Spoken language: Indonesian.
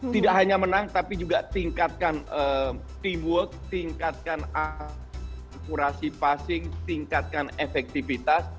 tidak hanya menang tapi juga tingkatkan teamwork tingkatkan akurasi passing tingkatkan efektivitas